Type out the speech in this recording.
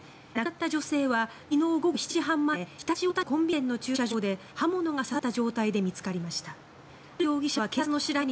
亡くなった女性は昨日午後７時半前常陸太田市のコンビニ店の駐車場で刃物が刺さった状態で見つかりました。